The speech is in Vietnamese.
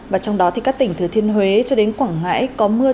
và trong đó thì các tỉnh thừa thiên huế cho đến quảng ngãi có mưa